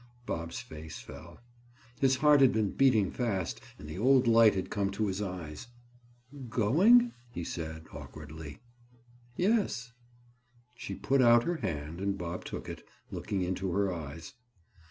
Bob's face fell. His heart had been beating fast and the old light had come to his eyes. "Going?" he said awkwardly. "Yes." She put out her hand and Bob took it, looking into her eyes.